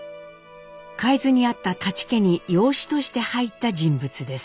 海津にあった舘家に養子として入った人物です。